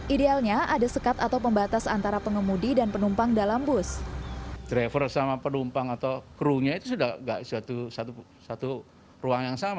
idealnya ada sekat atau pembatas antara pengemudi dan penumpang dalam bus